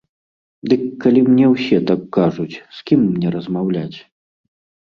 Дык калі мне ўсе так кажуць, з кім мне размаўляць?